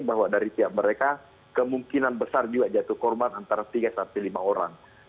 bahwa dari pihak mereka kemungkinan besar juga jatuh korban antara tiga sampai lima orang